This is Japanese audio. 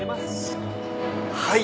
はい。